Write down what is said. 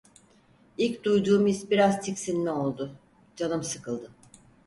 İlk duyduğum his biraz tiksinme oldu. Canım sıkıldı.